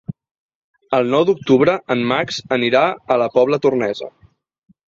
El nou d'octubre en Max anirà a la Pobla Tornesa.